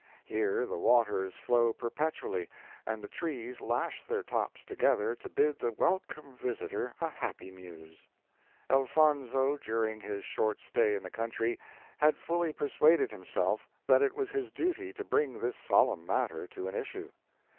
Here the waters flow perpetually, and the trees lash their tops together to bid the welcome visitor a happy muse. Elfonzo, during his short stay in the country, had fully persuaded himself that it was his duty to bring this solemn matter to an issue.